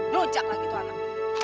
nuncak lagi tuh anak